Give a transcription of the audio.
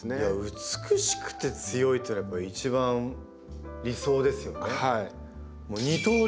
美しくて強いっていうのは一番理想ですよね。